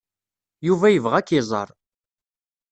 Yuba yebɣa ad k-iẓer.